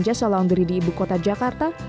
jasa laundry di ibukota jakarta